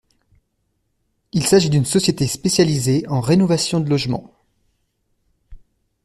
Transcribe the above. Il s'agit d'une société spécialisée en rénovation de logements.